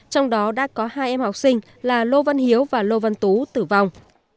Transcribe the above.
trong đó đã có hai em học sinh là lô văn hiếu và lô văn tú tử vong